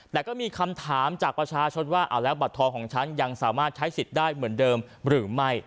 แต่ก็มีคำถามจากประชาชนว่าเอาแล้วบัตรทองของฉันยังสามารถใช้สิทธิ์ได้เหมือนเดิมหรือไม่